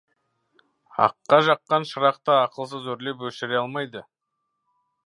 Аққа жаққан шырақты ақылсыз үрлеп өшіре алмайды.